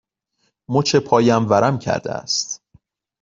مچ پایم ورم کرده است.